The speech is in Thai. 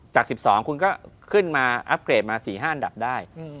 จาก๑๒คุณก็ขึ้นมาอัปเกรดมา๔๕อันดับได้